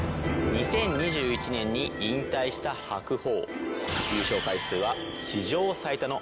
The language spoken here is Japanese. ２０２１年に引退した白鵬。